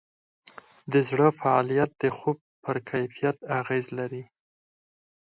د زړه فعالیت د خوب پر کیفیت اغېز لري.